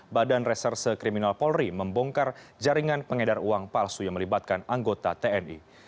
badan reserse kriminal polri membongkar jaringan pengedar uang palsu yang melibatkan anggota tni